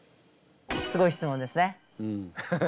すごい質問ですね。